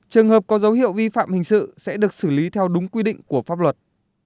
trường hợp có dấu hiệu vi phạm hình sự sẽ được xử lý theo đúng quy định của pháp luật